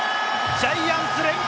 ジャイアンツ連敗